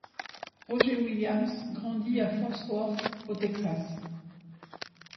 Roger Williams grandit à Fort Worth au Texas.